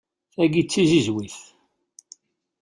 Tagi d tizizwit.